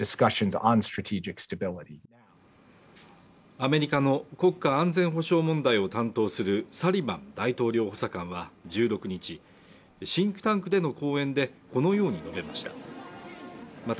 アメリカの国家安全保障問題を担当するサリバン大統領補佐官は１６日、シンクタンクでの講演でこのように述べました。